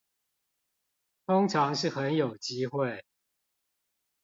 通常是很有機會